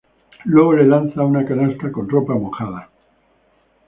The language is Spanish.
Luego le lanza una canasta con ropa mojada.